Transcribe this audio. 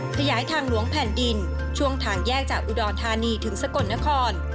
ขยายทางหลวงแผ่นดินช่วงทางแยกจากอุดรธานีถึงสกลนคร